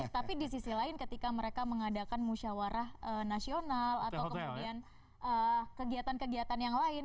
tapi di sisi lain ketika mereka mengadakan musyawarah nasional atau kemudian kegiatan kegiatan yang lain